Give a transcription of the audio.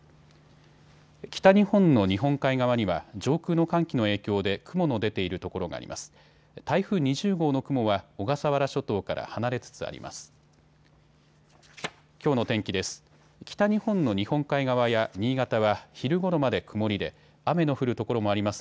北日本の日本海側には上空の寒気の影響で雲の出ている所があります。